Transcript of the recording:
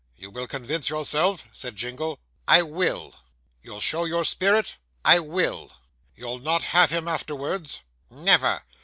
'You will convince yourself?' said Jingle. 'I will.' 'You'll show your spirit?' 'I will.' You'll not have him afterwards?' 'Never.